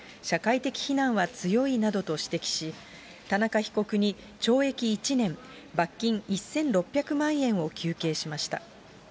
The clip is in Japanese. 社会的非難は強いなどと指摘し、田中被告に懲役１年、罰金１６００万円を求刑しました。